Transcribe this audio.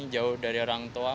jauh dari orang tua